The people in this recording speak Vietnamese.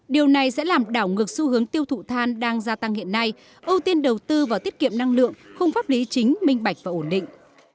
điều này sẽ làm đảo ngược xu hướng tiêu thụ than đang gia tăng hiện nay ưu tiên đầu tư vào tiết kiệm năng lượng không pháp lý chính minh bạch và ổn định